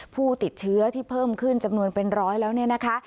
ผู้ติดเชื้อที่เพิ่มขึ้นจำนวนเป็นร้อยแล้วเนี่ยนะคะ